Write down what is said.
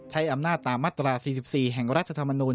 ใช้อำนาจตามมาตรา๔๔แห่งรัฐธรรมนูล